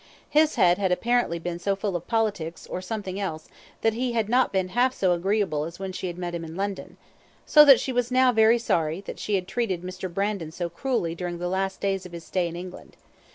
His head had apparently been so full of politics, or something else, that he had not been half so agreeable as when she had met him in London, so that she was now very sorry that she had treated Mr. Brandon so cruelly during the last days of his stay in England.